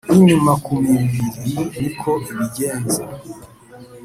y’inyuma ku mubiri niko ibigenza